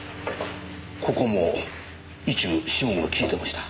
ここも一部指紋が消えていました。